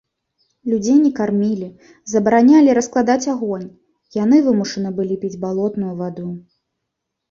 Людзей не кармілі, забаранялі раскладаць агонь, яны вымушаны былі піць балотную ваду.